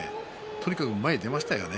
とにかく前に出ましたよね。